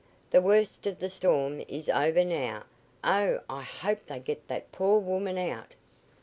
The worst of the storm is over now. Oh, I hope they get that poor woman out!